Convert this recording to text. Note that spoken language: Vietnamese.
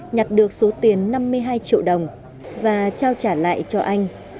nhặt được số tiền năm mươi hai triệu đồng và trao trả lại cho anh